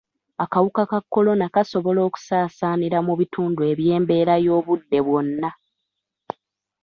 Akawuka ka Kolona kasobola okusaasaanira mu bitundu eby’embeera y’obudde bwonna.